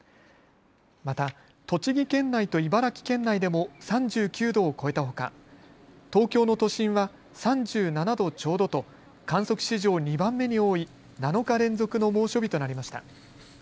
また栃木県内と茨城県内でも３９度を超えたほか、東京の都心は３７度ちょうどと観測史上２番目に多い７日連続の猛暑日となりました。